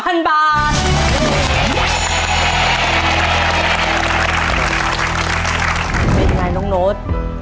เป็นไงน้องโน๊ต